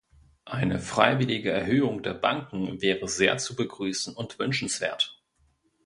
Eine freiwillige Erhöhung der Banken wäre sehr zu begrüßen und wünschenswert.